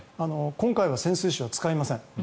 今回は潜水士は使いません。